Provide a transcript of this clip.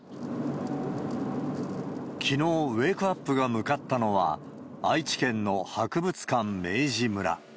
きのう、ウェークアップが向かったのは、愛知県の博物館明治村。